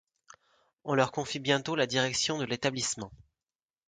On leur confie bientôt la direction de l'établissement.